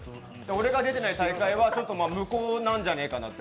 俺が出てない大会は無効なんじゃないかなと。